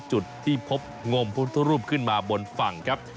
จุดที่พบงมพุทธรูปขึ้นมาบนฝั่งครับ